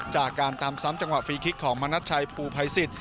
จากการตามซ้ำจังหวัดฟรีคลิกของมหาสารคายปูภัยศิษฐ์